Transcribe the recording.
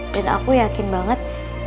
dan aku yakin banget